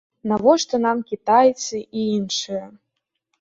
Навошта нам кітайцы і іншыя?